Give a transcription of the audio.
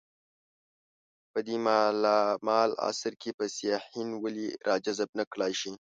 په دې مالامال عصر کې به سیاحین ولې راجذب نه کړای شي.